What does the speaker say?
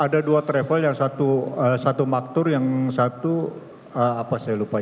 ada dua travel yang satu maktur yang satu apa saya lupa